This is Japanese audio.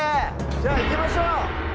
じゃあ行きましょう！